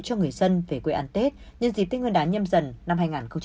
cho người dân về quê ăn tết nhân dịp tết nguyên đán nhâm dần năm hai nghìn hai mươi